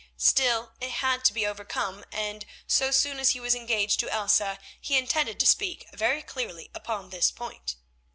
Still, it had to be overcome, and so soon as he was engaged to Elsa he intended to speak very clearly upon this point.